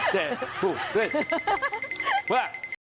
สุดท้าย